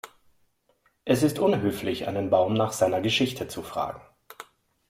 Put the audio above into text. Es ist unhöflich, einen Baum nach seiner Geschichte zu fragen.